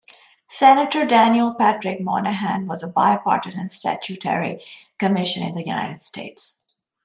Senator Daniel Patrick Moynihan, was a bipartisan statutory commission in the United States.